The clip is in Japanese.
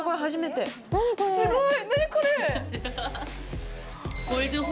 すごい。